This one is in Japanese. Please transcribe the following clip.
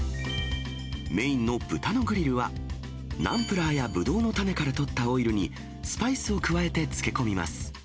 メインの豚のグリルは、ナンプラーやぶどうの種からとったオイルに、スパイスを加えてつけ込みます。